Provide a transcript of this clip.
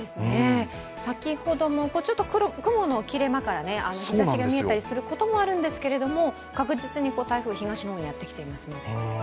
先ほどもちょっと雲の切れ間から日ざしが見えたりすることもあるんですけれども確実に台風は東の方にやってきていますもんね。